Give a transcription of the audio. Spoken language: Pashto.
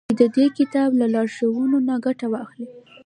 چي د دې كتاب له لارښوونو نه گټه واخلي.